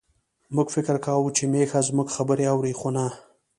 موږ فکر کاوه چې میښه زموږ خبرې اوري، خو نه.